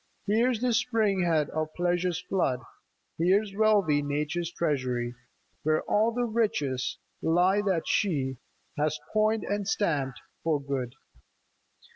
Here 's the spring head of Pleasure's flood ! Here 's wealthy Nature's treasury, Where all the riches lie that she Has coined and stamped for good.